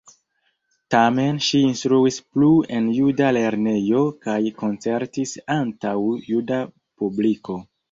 Tamen ŝi instruis plu en juda lernejo kaj koncertis antaŭ juda publiko.